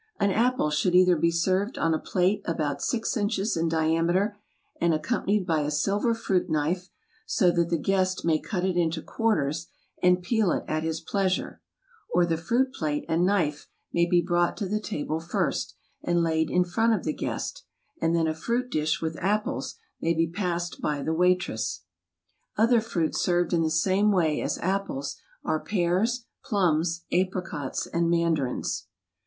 An apple should either be served on a plate about six inches in diameter and accompanied by a silver fruit knife fruit knife so that the guest may cut it into quarters and peel it at his pleasure, or the fruit plate and A Breakfast Service of Plymouth Design Flatware Cleremont pattern knife may be brought to the table first and laid in front of the guest, and then a fruit dish with apples may be passed by the waitress. Other fruits served in the same way as apples are pears, plums, apricots, and mandarins.